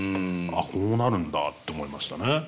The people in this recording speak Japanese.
「あっこうなるんだ」って思いましたね。